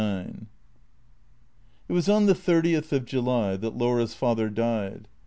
XXXIX IT was on the thirtieth of July that Laura's father died.